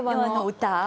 歌？